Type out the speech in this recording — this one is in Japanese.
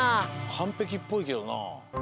かんぺきっぽいけどな。